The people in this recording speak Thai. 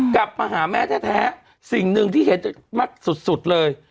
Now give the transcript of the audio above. กลับมาหาแม่แท้สิ่งหนึ่งที่เห็นมากสุดเลย